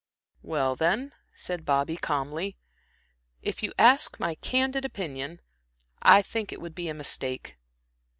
"Well, then," said Bobby, calmly, "if you ask my candid opinion, I think it would be a mistake.